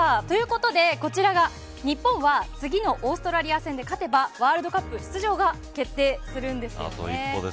ということでこちらが日本は次のオーストラリア戦で勝てば、ワールドカップ出場が決定するんですよね。